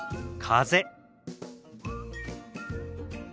風。